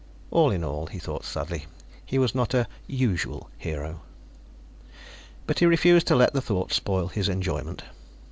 All in all, he thought sadly, he was not a usual hero. But he refused to let the thought spoil his enjoyment.